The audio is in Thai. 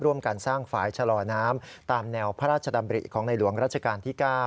การสร้างฝ่ายชะลอน้ำตามแนวพระราชดำริของในหลวงราชการที่๙